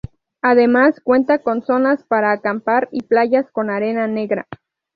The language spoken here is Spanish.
Además cuenta con zonas para acampar y playas con arena negra.